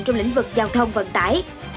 trong lĩnh vực giao thông vận tải